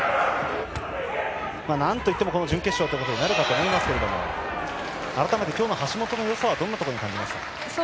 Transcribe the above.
なんといっても準決勝ということになるかと思いますが改めて今日の橋本のよさはどんなところに感じますか？